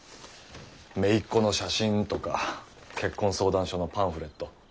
姪っ子の写真とか結婚相談所のパンフレット。